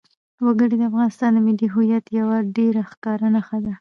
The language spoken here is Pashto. وګړي د افغانستان د ملي هویت یوه ډېره ښکاره نښه ده.